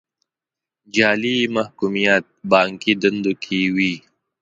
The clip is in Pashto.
جعلي محکوميت بانکي دندو کې وي.